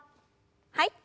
はい。